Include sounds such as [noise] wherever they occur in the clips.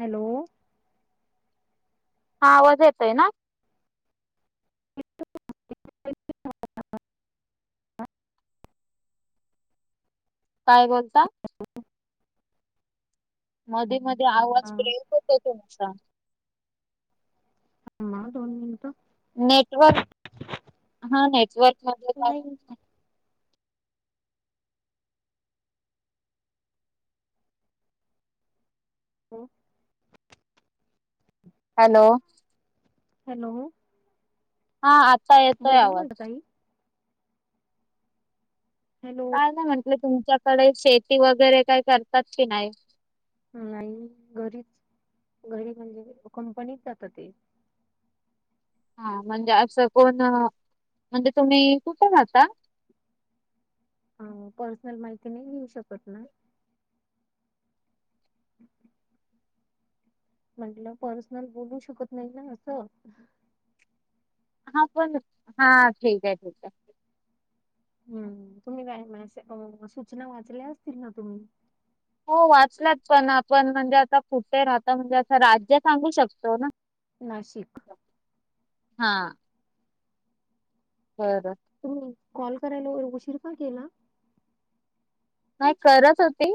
Hello. हा आवाज येतोय ना? [unintelligible] काय बोलता? मध्ये मध्ये हा आवाज ब्रेक होतोय तुमचा? थांबा हा दोन मिनटं. नेटवर्क, हा नेटवर्क. मध्ये जावा नाही. हो. हॅलो. हॅलो. हा आता येतोय बोला आवाज. म्हटलं ताई हॅलो काय म म्हटल तुमच्याकडे शेती वगैरे काय करतात की नाही? नाही घरीच, घरी म्हणजे कंपनीत जात ते. हा म्हणजे असं कोण, म्हणजे तुम्ही कुठं राहता? अं पर्सनल माहिती नाही देऊ शकत ना. [inaudible] म्हटलं पर्सनल बोलू शकत नाही ना असं. हा पण, हा ठीक आहे ठीक आहे. हम्म तुम्ही काय मॅसे अं सूचना वाचल्या असतील ना तुम्ही? हो वाचल्यात पण आपण म्हणजे आता कुठे राहता म्हणजे असं राज्य सांगू शकतो ना? नाशिक. हा. बर. तुम्ही कॉल करायला उशीर का केला? नाही करत होती,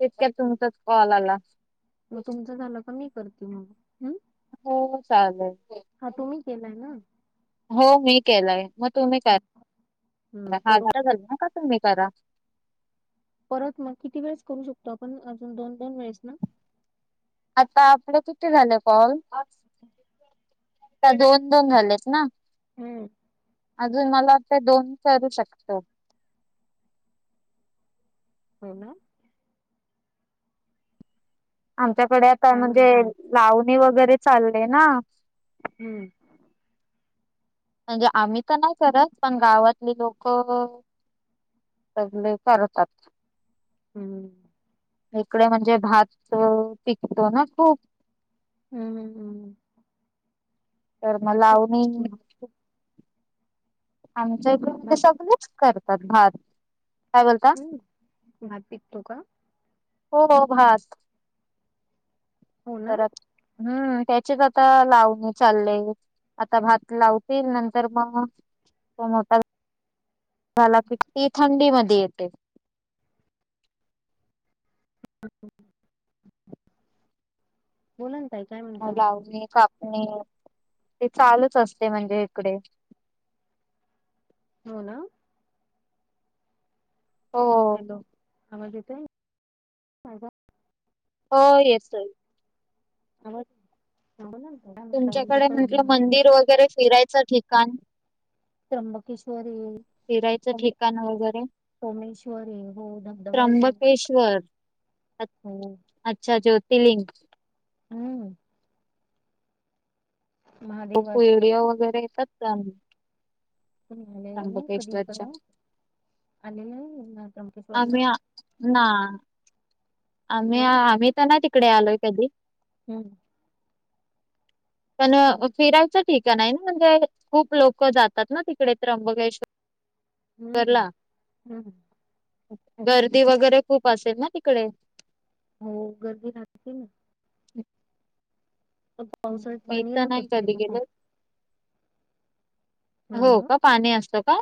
तितक्यात तुमचाच कॉल आला. म तुमचा झालं क मी करते म, हम्म. हो चालल, हा तुम्ही केलाय ना. हो मी केलाय म तुम्ही का, हम्म हा करू झाल ना का तुम्ही करा? परत म किती वेळेस करू शकतो आपण अजून दोन दोन वेळेस ना? आता आपलं किती झाले कॉल? आता दोन- दोन झालेत ना? हम्म. अजून मला वाटत दोन करू शकतो. हो ना. आमच्याकडे आता काय म्हणून म्हणजे सांग लावणी वगैरे चालले ना. हम्म [inaudible] म्हणजे आम्ही तर नाही करत पण गावातले लोक सगळे करतात. हम्म इकडे म्हणजे भात पिकतो ना खूप हम्म हम्म हम्म तर मग भात खूप लावनी भात खूप आमच्या इकडं म्हणजे भात सगळेच करतात भात काय बोलता? हम्म भात पिकतो का? हो- हो भात हो ना सरास हम्म ह्याचेत आता लावनी चाललेय. आता भात लावतील नंतर मग तो मोठा झाला कि पीक थंडी मध्ये येते. [unintelligible] बोलाना ताई काय म्हणता लावणी -कापणी ती चालूच असते म्हणजे इकडे. हो ना. हो. हॅलो, आवाज येतोय? माझा हो, येतोय. हॅलो. थांबून आलतं का. तुमच्याकडे म्हटलं मंदिर वगैरे फिरायचं ठिकाण, त्र्यंबकेश्वररी. फिरायचं सोमे ठिकाण वगैरे सोमेश्वर आहे, हो धबधबा य सोमेश्वर. त्र्यंबकेश्वर अ- हो अच्छा ज्योतिर्लिंग. हम्म. महादेवाची [unintelligible] वगैरे येतात का? लेल कदीप आलेलयऽ [inaudible] आम्ही ना आम्ही हम्म आम्ही तर नाई तिकडे आलोय कधी, हम्म. पण फिरायचं ठिकाण आहे ना म्हणजे, खूप लोकं जातात ना तिकडे त्र्यंबकेश्वरला. हम्म हम्म. गर्दी वगैरे खूप असेल ना तिकडे. हो गर्दी रााहते ना. हं, पावसाळ्यात मी पाणी तर राहतात नाही कधी तिथ गेले. पण. हो का, पाणी असतं का.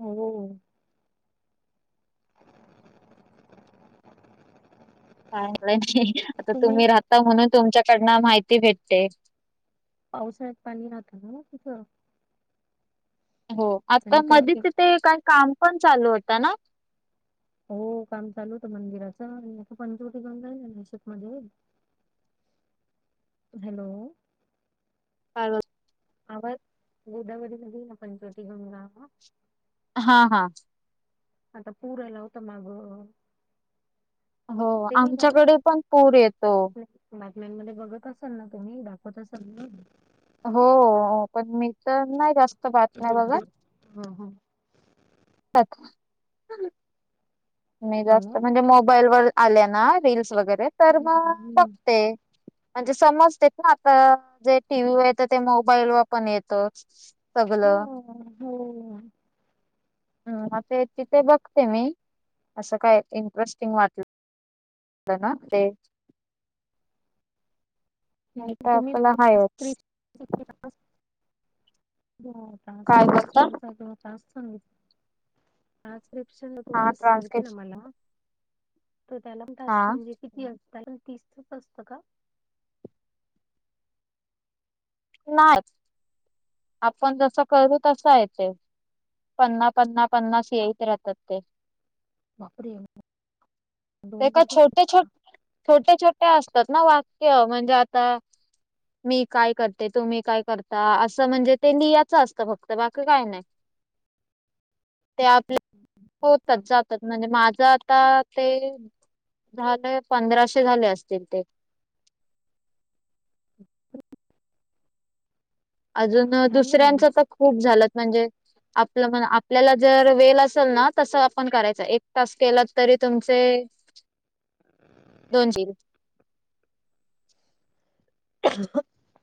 हो. ह [inaudible] काय माहीत नाही आता तुम्ही राहता म्हणून तुमच्याकडून माहिती भेटते. पावसाळ्यात पाणी राहतं ना ना तिथं. हो, आता आणि तर मध्ये एक तिथे काही काम पण चालू होत ना. हो काम चालू होतं मंदिराच, आणि आता पंचवटी जाऊन जाल ना नाशिक मध्ये, हॅलो. काय कर, गोदावरी मधे पंचवटी गंगा, हा हा.. आता पुर आला होता मागं. हो, आमच्याकडे पण पूर येतो. बातम्यांमध्ये बघत असाल ना तुम्ही, दाखवत असाल ना. हो, पण मी तर नाही जास्त. बातम्या [unintelligible] पाक. मी हो जास्त ना म्हणजे मोबाईल वर आले ना रील्स वगैरे तर मग बघते. म्हणजे समजते ना, आता जे टी व्ही वर येत ते मोबाईल व पण येतच. हो हो. ह म ते तिथे बघते मी, असं काय इंटरेस्टिंग वाटलं [unintelligible] नाही तर तुम्ही. आपला हायच काय बोलता [unintelligible] ट्रांसक्रिप्शन त हा सगितले ट्रान्स्क्रिप्शन मला, तर त्याला टास्क हा म्हणजे? किती असत? पण तिसतंच असतं का? नाही. आपण जसं करतू तसं आय ते. पन्ना पन्ना पन्नास येेत राहतात ते. बापरे! ते दोन का दिवसात छोटे छोटे छोटे, छोटे असतात ना, वाक्य आता मी काय करते. तुम्ही काय करता. अस, म्हणजे ते लिहाच असतं फक्त बाकी काय नाही ते आपल्या होतात जातात म्हणजे माझं आता ते, झालं पंधराशे झाले असतील ते, अजून खूप छान झाले दुसऱ्यांच तर खूप झालं म्हणजे, आपलं म्हण आपल्याला जर वेल असेल ना, तस आपण करायचं एक तास केला तरी तुमचे दोन जील.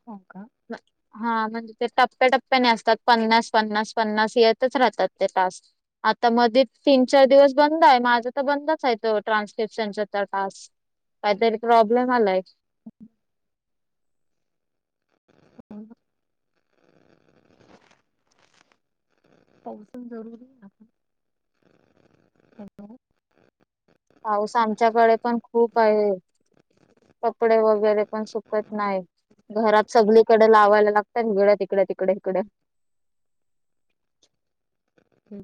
हो का? नाही... हा म्हणजे ते टप्प्याटप्प्याने असतात पन्नास पन्नास पन्नास येतच राहतात ते टास्क. आता मध्ये तीन चार दिवस बंद आहे माझा तर बंदच आहे तो ट्रान्स्क्रिप्शनचा टास्क.. काहीतरी प्रॉब्लेम आलाय. [unintelligible] पाऊस आमच्याकडे पण खूप आहे. कपडे वगैरे पण सुकत नाहीत. घरात सगळीकडे लावायला लागतात तिकडे तिकडे इकडे. हो..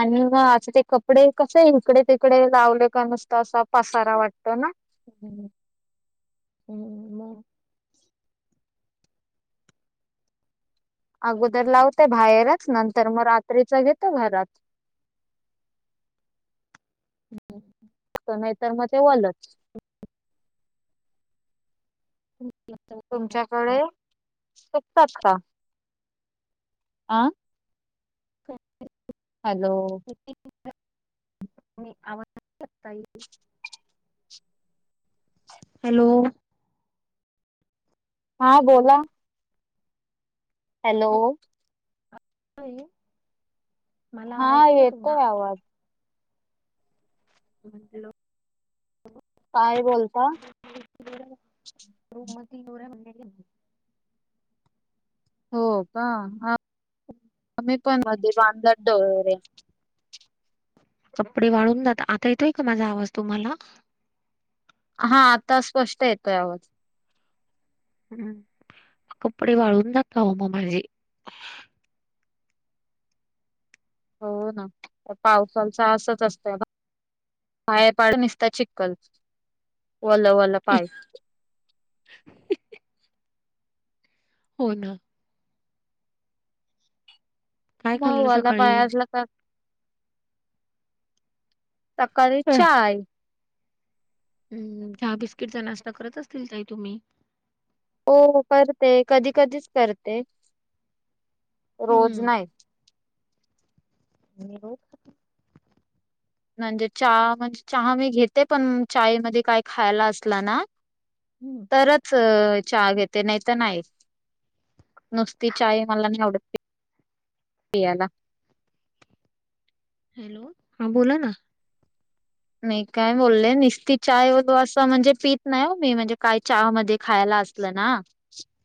आणि म आ कपडे आहे इकडे तिकडे लावले का नुसता असा पसारा वाटत ना, हम,, हम मग, अगोदर लावते बाहेरच नंतर मग रात्रीच घेतो घरात. हो. नाहीतर मग ते ओलच तुमच्याकडे शेकतात का? आं हॅलो [inaudible] हॅलो हा बोला. हॅलो मला हा आवडतोय तुंदा येतोय आवाज हॅलो पाय बोलता तीन वर आहे म्हणायले. हो का आम्ही पण मध्ये बांधल्यात दोरे कपडे वाळून जाता, आता येतोय का माझा आवाज तुम्हाला हा आता स्पष्ट येतोय आवाज हम्म, कपडे वाळून जाताव मधे हो ना, आता पावसांचा असच असतेय. पाया पाड निसता चिखल वल वल पाय [inaudible] हो ना काय म खाल्लं वला सकाळी? पाय असला का सकाळीच अ. चहा हम्म, चहा बिस्किटचा नाश्ता करत असतील ताई तुम्ही हो, करते कधी कधीच करते रोज हम्म, नाही. आणि रोज म्हणजे चहा म्हणजे चहा मी घेते पण चाय मध्ये काय खायला असला ना हम्म. तरच चहा घेते नाही तर नाही. नुसती चाय मला नाही आवडत ते पेयाला हॅलो, हा बोला ना. मी काय बोलले निसती चाय असं म्हणजे पित नाही ओ मी म्हणजे काय चहा मध्ये खायला अस असलं ना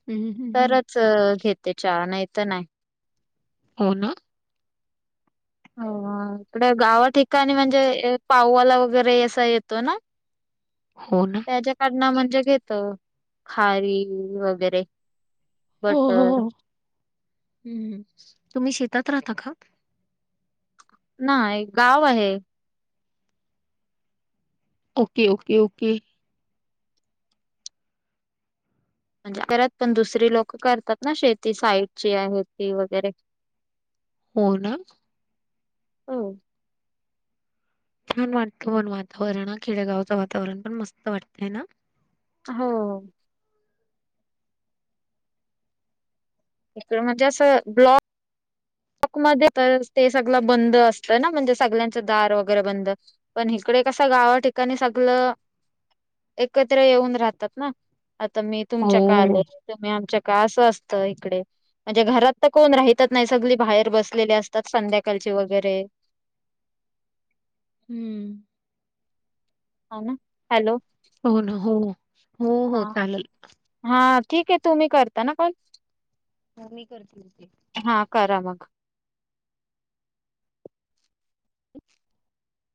हम्म हम्म हम्म तर घेते चहा नाही तर नाही. हो ना. हो, हा इकडं गावा ठिकाणी म्हणजे एक पाववाला वगैरे असा येतो ना हो ना. काढना म्हणजे घेतो खारी वगैरे बटर हम्म हम्म, तुम्ही शेतात राहता का? नाही, गाव आहे. Okay, okay, okay. म्हणजे करत पण दुसरी लोक करतात ना शेती साईडची आहेत ती वगैरे [inaudible] हो ना हं छान वाटतं पण वातावरण हा खेडेगावचं वातावरण पण मस्त वाटतय ना. हो. इकडं म्हणजे असं ब्लॉ क, मध्ये तरच ते सगल बंद असतं ना म्हणजे सगल्यांच दार वगैरे बंद. पण हिकडे कस गावा ठिकाणी सगल एकत्र येऊन राहतात ना. आता मी तुमच्याकड आले हो, तुम्ही आमच्या का असं असत इकडे म्हणजे घरात तर कोण राहितच नाही सगली बाहेर बसलेली अस तात संध्याकालची वगैरे. हम्म. हा ना हॅलो. हो ना हो हो हो हा चालल हा ठीक आहे तुम्ही करता ना कॉल? हो मी करतील की हो. हा करा मग